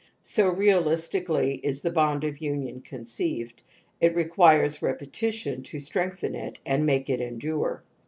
So realistically is the bond of union conceived ; it requires repetition to strengthen it and make it endure.